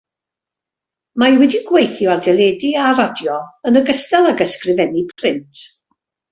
Mae wedi gweithio ar deledu a radio yn ogystal ag ysgrifennu print.